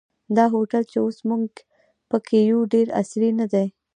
دا هوټل چې اوس موږ په کې یو ډېر عصري نه دی.